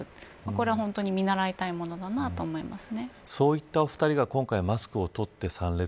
これは、本当に見習いたいものだなと思います。